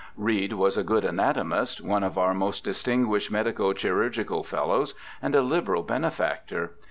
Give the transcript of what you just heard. Reid was a good anatomist, one of our most distinguished Medico Chirurgical Fellows, and a liberal benefactor.